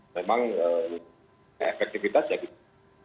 memang efektivitas ya gitu